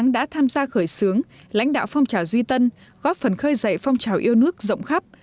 đã tham gia khởi xướng lãnh đạo phong trào duy tân góp phần khơi dậy phong trào yêu nước rộng khắp